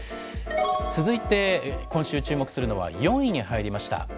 続いて今週注目するのは４位に入りました、